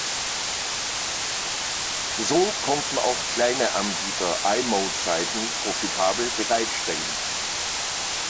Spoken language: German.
So konnten auch kleine Anbieter i-mode-Seiten profitabel bereitstellen.